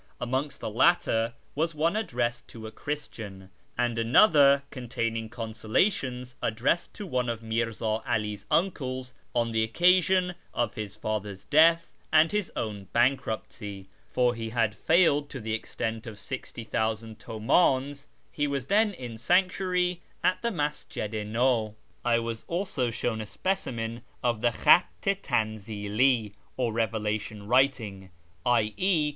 Amongst the latter was one addressed to a Christian, and another containing consolations addressed to one of Mirza 'All's uncles on the occasion of his father's death and his own bankruptcy, on account of which (for he had failed to the extent of 60,000 ticmdns) he was then in sanctuary at the IMasjid i Naw. I was also shown a specimen d I SHIRAZ 329 of the Kliatt i tcmzili, or " revelation writing "; i.e.